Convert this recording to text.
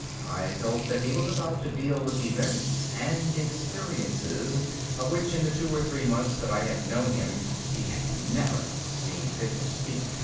I felt that he was about to deal with events and experiences of which in the two or three months that I had known him he had never seen fit to speak.